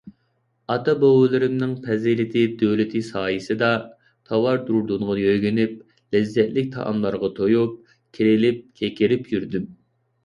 ئاتا - بوۋىلىرىمنىڭ پەزىلىتى - دۆلىتى سايىسىدا، تاۋار - دۇردۇنغا يۆگىنىپ، لەززەتلىك تائاملارغا تويۇپ، كېرىلىپ - كېكىرىپ يۈردۈم.